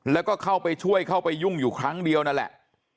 แล้วก็เข้าไปช่วยเข้าไปยุ่งอยู่ครั้งเดียวนั่นแหละ